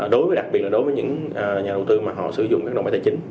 đối với đặc biệt là đối với những nhà đầu tư mà họ sử dụng các động thái tài chính